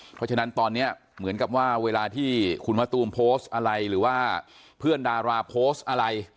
เพราะฉะนั้นตอนนี้เหมือนกับว่าเวลาที่คุณมะตูมโพสต์อะไรหรือว่าเพื่อนดาราโพสต์อะไร